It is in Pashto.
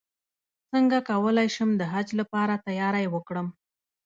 څنګه کولی شم د حج لپاره تیاری وکړم